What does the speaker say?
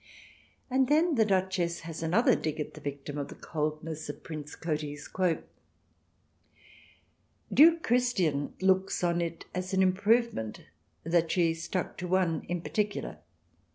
And then the Duchess has another dig at the victim of the coldness of Prince Cotys. " Duke Christian looks on it as an improvement that she stuck to one in particular."